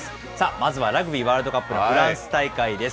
まずはラグビーワールドカップのフランス大会です。